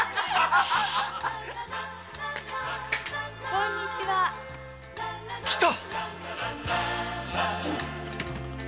こんにちは。来た。